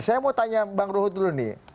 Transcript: saya mau tanya bang ruhut dulu nih